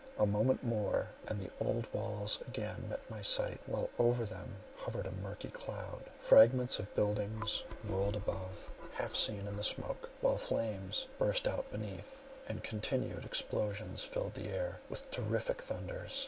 A moment more and the old walls again met my sight, while over them hovered a murky cloud; fragments of buildings whirled above, half seen in smoke, while flames burst out beneath, and continued explosions filled the air with terrific thunders.